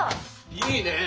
いいねえ！